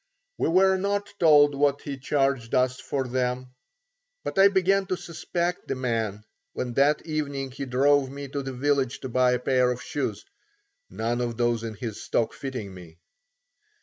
We were not told what he charged us for them, but I began to suspect the man when that evening he drove me to the village to buy a pair of shoes, none of those in his stock fitting me.